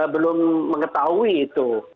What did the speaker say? belum mengetahui itu